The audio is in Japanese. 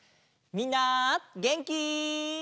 みんなげんき？